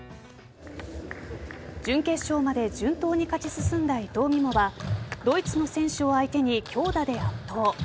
準決勝まで順当に勝ち進んだ伊藤美誠はドイツの選手を相手に強打で圧倒。